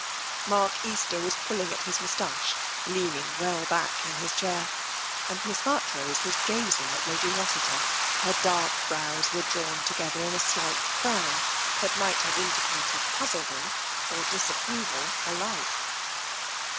Mark Easter was pulling at his moustache, leaning well back in his chair, and Miss Marchrose was gazing at Lady Rossiter. Her dark brows were drawn to gether in a slight frown, that might have indicated puzzledom or disapproval alike.